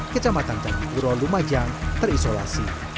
kecamatan cakituro lumajang terisolasi